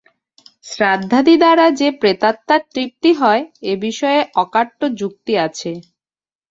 শ্রাদ্ধাদি দ্বারা যে প্রেতাত্মার তৃপ্তি হয়, এ বিষয়ে অকাট্য যুক্তি আছে।